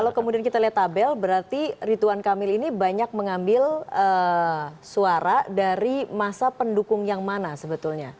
kalau kemudian kita lihat tabel berarti rituan kamil ini banyak mengambil suara dari masa pendukung yang mana sebetulnya